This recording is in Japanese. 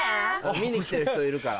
見にきてる人いるから。